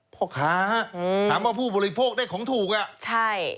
พ่อค้าอืมถามว่าผู้บริโภคได้ของถูกอ่ะใช่